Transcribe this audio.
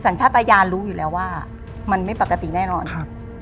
สัตยานรู้อยู่แล้วว่ามันไม่ปกติแน่นอนครับ